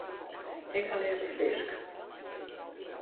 Ik ha leaver fisk.